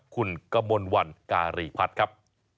คุณกมลวันการีพัฒน์ครับ